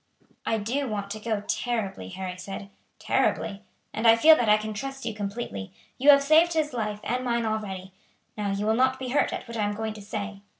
"I do want to go terribly," Harry said, "terribly; and I feel that I can trust you completely. You have saved his life and mine already. Now you will not be hurt at what I am going to say.